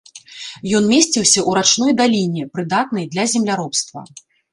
Ён месціўся ў рачной даліне, прыдатнай для земляробства.